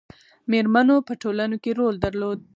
میرمنو په ټولنه کې رول درلود